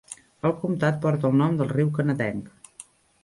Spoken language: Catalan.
El comtat porta el nom del riu canadenc.